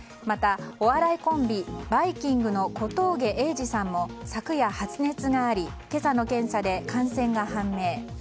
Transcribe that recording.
またお笑いコンビバイきんぐの小峠英二さんも昨夜、発熱があり今朝の検査で感染が判明。